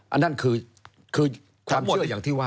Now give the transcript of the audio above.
อันนั้นคือความเชื่ออย่างที่ว่า